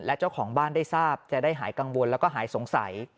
และเจ้าของบ้านได้ทราบจะได้หายกังวลแล้วก็หายสงสัย